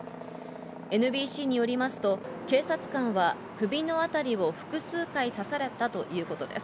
ＮＢＣによりますと警察官は首のあたりを複数回刺されたということです。